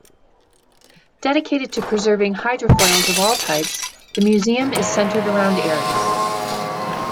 Dedicated to preserving hydrofoils of all types, the museum is centered around Aries.